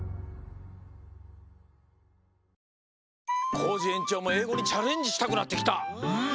コージえんちょうもえいごにチャレンジしたくなってきた。